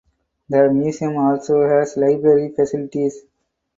The museum also has library facilities.